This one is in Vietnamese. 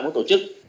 bọn tổ chức